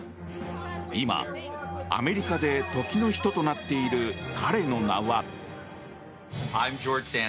今、アメリカで時の人となっている彼の名は。